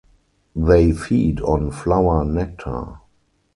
They feed on flower nectar.